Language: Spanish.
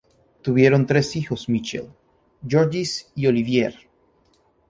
Tuvieron tres hijos Michel, Georges y Olivier.